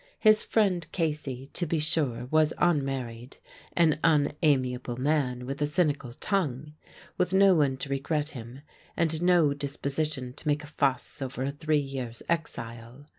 His friend Casey, to be sure, was unmarried an un amiable man with a cynical tongue with no one to regret him and no disposition to make a fuss over a three years' exile.